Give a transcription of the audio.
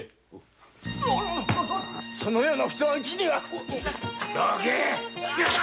そのようなお人はうちには。どけ！